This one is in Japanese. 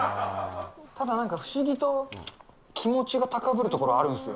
ただなんか不思議と気持ちがたかぶるところあるんですよ。